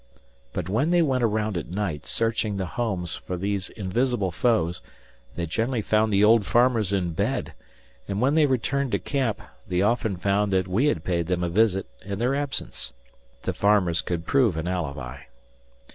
But when they went around at night searching the homes for these invisible foes, they generally found the old farmers in bed, and when they returned to camp, they often found that we had paid them a visit in their absence. The farmers could prove an alibi.